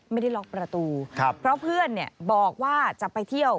ไม่ได้ล็อกประตูเพราะเพื่อนบอกว่าจะไปเที่ยว